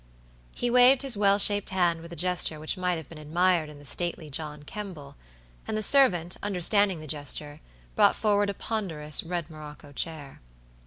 He waved his well shaped hand with a gesture which might have been admired in the stately John Kemble; and the servant, understanding the gesture, brought forward a ponderous red morocco chair.